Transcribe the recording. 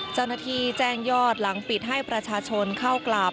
เจ้าหน้าที่แจ้งยอดหลังปิดให้ประชาชนเข้ากราบ